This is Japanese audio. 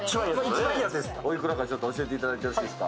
おいくらか教えていただいていいですか。